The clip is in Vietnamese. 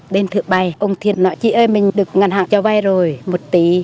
đến thượng bày ông thiền nói chị ơi mình được ngân hàng cho vay rồi một tí